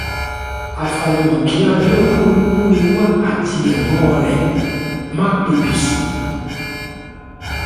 Àfàìmọ̀ kí Abíọ́dún Olúmúrewá àti ẹ̀gbọ́n ẹ̀ má pebi sùn